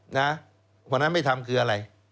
วันนั้นไม่ทำคืออะไร